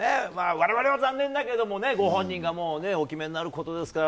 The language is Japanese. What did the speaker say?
我々は残念だけどもねご本人がお決めになることですから。